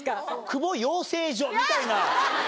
久保養成所みたいな。